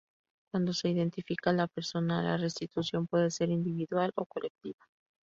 Cuando se identifica a la persona, la restitución puede ser individual o colectiva.